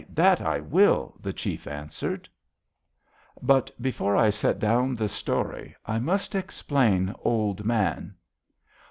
That I will," the chief answered. But before I set down the story, I must explain Old Man.